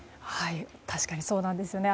確かにそうなんですよね。